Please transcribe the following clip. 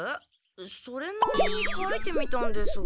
それなりにかいてみたんですが。